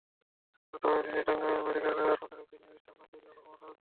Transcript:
বর্তমানে তিনি Tangail medical college হাসপাতালে সিনিয়র স্টাফ নার্স হিসেবে কর্মরত আছেন।